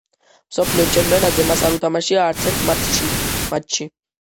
მსოფლიო ჩემპიონატზე მას არ უთამაშია არცერთ მატჩში.